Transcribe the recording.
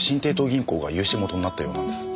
銀行が融資元になったようなんです。